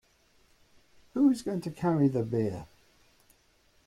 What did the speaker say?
Who is going to carry the beer?